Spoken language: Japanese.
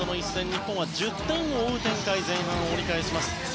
日本は１０点を追う展開で前半を折り返します。